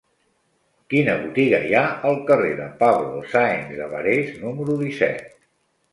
Quina botiga hi ha al carrer de Pablo Sáenz de Barés número disset?